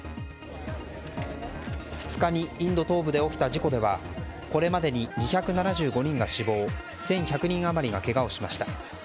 ２日にインド東部で起きた事故ではこれまでに２７５人が死亡１１００人余りがけがをしました。